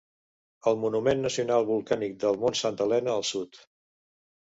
El Monument Nacional Volcànic del Mont Santa Helena al sud.